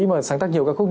mà sáng tác nhiều ca khúc